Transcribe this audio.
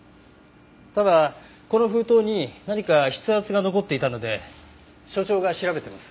ただこの封筒に何か筆圧が残っていたので所長が調べてます。